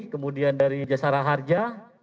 kemudian dari jasara harja